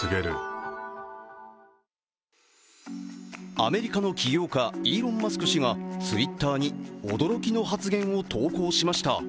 アメリカの起業家イーロン・マスク氏がＴｗｉｔｔｅｒに驚きの発言を投稿しました。